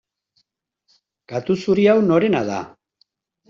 Katu zuri hau norena da?